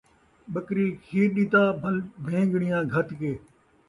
ٻکری کھیر ݙتا بھل بھین٘ڳڑیاں گھت کے